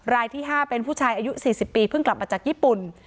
รายที่๕เป็นผู้ชายอายุ๔๐ปีเพิ่งกลับมาจากญี่ปุ่น